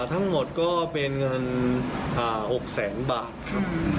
ทั้งหมดก็เป็นเงิน๖แสนบาทครับ